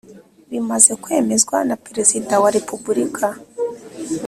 bimaze kwemezwa na Perezida wa Repubulika